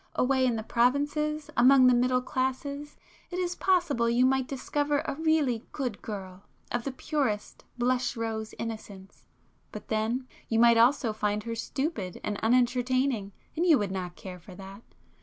Away in the provinces, among the middle classes it is possible you might discover a really good girl of the purest blush rose innocence,—but then you might also find her stupid and unentertaining, and you would not care for that.